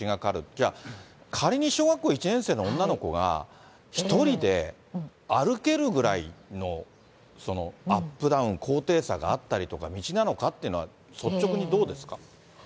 じゃあ、仮に小学校１年生の女の子が１人で歩けるぐらいのアップダウン、高低差があったりとか、道なのかというのは、率直にどうですか。